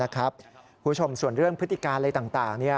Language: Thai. คุณผู้ชมส่วนเรื่องพฤติการอะไรต่าง